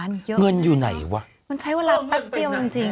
เงินอยู่ไหนวะมันใช้เวลาแป๊บเดียวจริงจริง